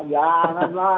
wah sayang banget lah